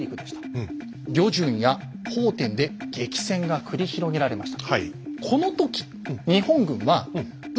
旅順や奉天で激戦が繰り広げられました。